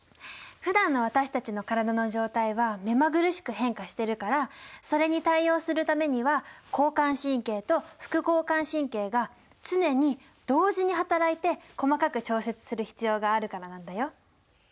ふだんの私たちの体の状態は目まぐるしく変化してるからそれに対応するためには交感神経と副交感神経が常に同時にはたらいて細かく調節する必要があるからなんだよ。